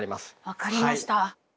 分かりました。